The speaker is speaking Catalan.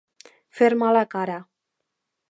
Fer mala cara.